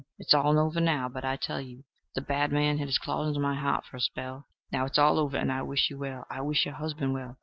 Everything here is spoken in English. It's all over now, but I tell you the Bad Man had his claws into my heart for a spell. Now it's all over, and I wish you well. I wish your husband well.